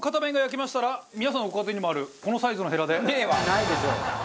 ないでしょ。